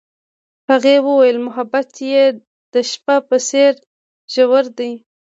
هغې وویل محبت یې د شپه په څېر ژور دی.